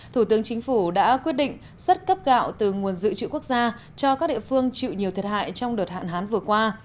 thủ tướng chính phủ đã quyết định xuất cấp gạo từ nguồn dự trữ quốc gia cho các địa phương chịu nhiều thiệt hại trong đợt hạn hán vừa qua